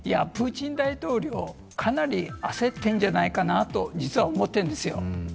プーチン大統領、かなり焦ってるんじゃないかなと実は思っているんですよ。